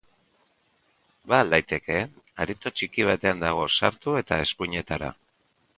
Ba al daiteke? Areto txiki batean dago, sartu eta eskuinetara.